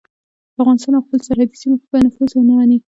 په افغانستان او خپلو سرحدي سیمو کې به نفوذ ونه مني.